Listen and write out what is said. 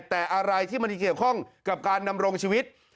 แต่อะไรที่มันเกี่ยวข้องกับการดำรงชีวิต